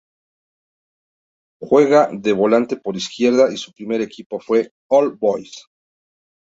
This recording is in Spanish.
Juega de volante por izquierda y su primer equipo fue All Boys.